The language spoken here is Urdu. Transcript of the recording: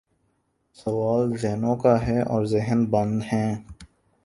سوال ذہنوں کا ہے اور ذہن بند ہیں۔